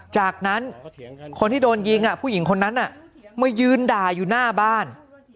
จากนั้นคนที่โดนยิงผู้หญิงคนนั้นมายืนด่าอยู่หน้าบ้าน